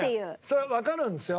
それはわかるんですよ。